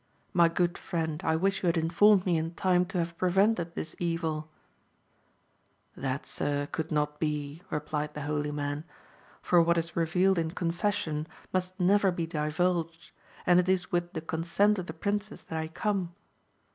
My good friend, I wish you had informed me in time to have prevented this evil ! That, sir, could not be, replied the holy man, for what is revealed in confession must never be divulged ; and it is with the consent of the princess that I come.